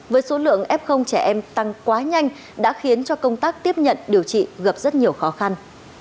với số lượng f trẻ em tăng quá nhanh đã khiến cho công tác tiếp nhận điều trị gặp rất nhiều khó khăn